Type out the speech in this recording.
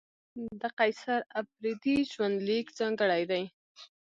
د قیصر اپریدي ژوند لیک ځانګړی دی.